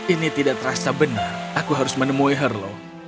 ini tidak terasa benar aku harus menemui herlo